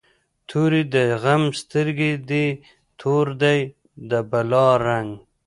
توری د غم سترګی دي، تور دی د بلا رنګ